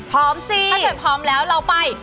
พร้อมซิเพียรพร้อมแล้วเราไป